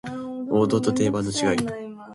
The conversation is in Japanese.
王道と定番の違い